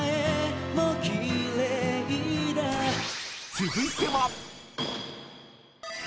［続いては］